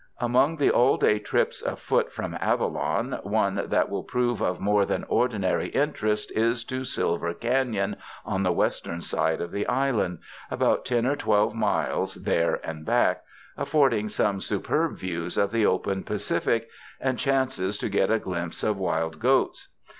Among the all day trips afoot from Avalon, one that will prove of more than ordinary interest is to Silver Caiion on the western side of the island — about ten or twelve miles, there and back — afford ing some superb views of the open Pacific, and chances to get a glimpse of wild goats.